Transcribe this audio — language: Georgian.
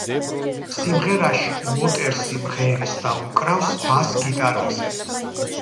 სიმღერაში უოტერსი მღერის და უკრავს ბას გიტარაზე.